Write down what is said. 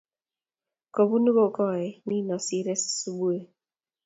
kobunuu kokoe nino siree asubui